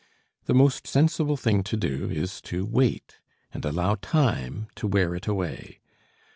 The most sensible thing for us to do is to wait and allow time to wear it away.